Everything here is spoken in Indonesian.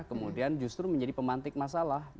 kemudian justru menjadi pemantik masalah